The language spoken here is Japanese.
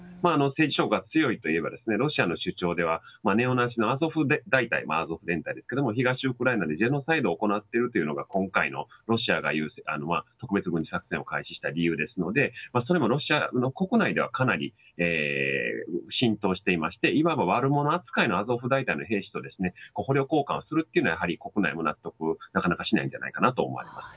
政治色が強いといえばロシアの主張ではネオナチのアゾフ大隊東ウクライナでジェノサイドを行っているというのが今回のロシアが言う特別軍事作戦を開始した理由ですのでそれもロシアの国内ではかなり浸透していましていわば悪者扱いのアゾフ大隊の兵士と捕虜交換をするというのは国内で納得はなかなかしないのではないかと思われます。